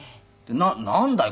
「なんだい？